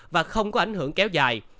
và không có ảnh hưởng kéo dài